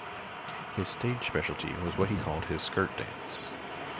His stage specialty was what he called his skirt dance.